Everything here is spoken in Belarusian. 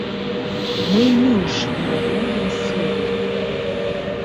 Мы менш вырабляем сыру.